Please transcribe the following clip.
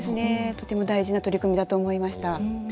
とても大事な取り組みだと思いました。